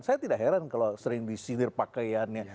saya tidak heran kalau sering disindir pakaiannya